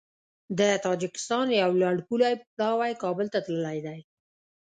د تاجکستان یو لوړپوړی پلاوی کابل ته تللی دی